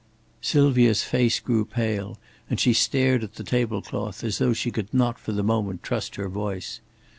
Sylvia's face grew pale, and she stared at the table cloth as though she could not for the moment trust her voice.